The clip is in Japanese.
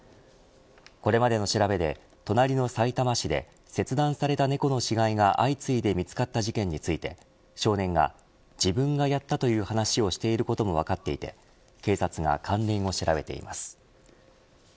これまでの調べで隣のさいたま市で切断された猫の死骸が相次いで見つかった事件について少年が自分がやったという話をしていることも分かっていて警察が関連を調べています。